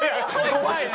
怖いね。